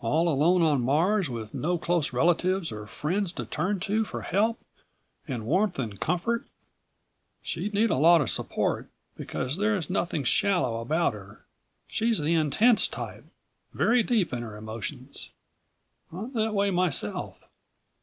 All alone on Mars, with no close relatives or friends to turn to for help and warmth and comfort. She'd need a lot of support, because there's nothing shallow about her. She's the intense type, very deep in her emotions. I'm that way myself."